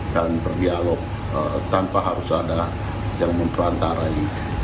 dan berdialog tanpa harus ada yang memperantarai